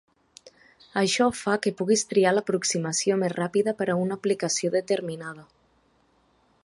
Això fa que puguis triar l'aproximació més ràpida per a una aplicació determinada.